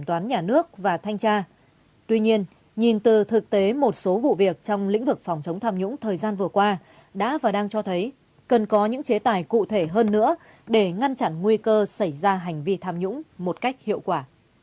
tuy nhiên nhìn từ thực tế một số vụ việc trong lĩnh vực phòng chống tham nhũng thời gian vừa qua đã và đang cho thấy cần có những chế tài cụ thể hơn nữa để ngăn chặn nguy cơ xảy ra hành vi tham nhũng một cách hiệu quả